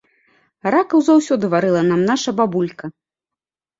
Ракаў заўсёды варыла нам наша бабулька.